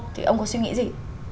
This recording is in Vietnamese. thì ông có suy nghĩ gì